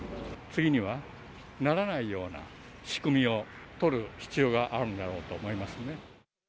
次にはならないような仕組みを取る必要があるんだろうと思いますね。